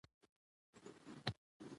تر دې د مخه را كړل شوي وې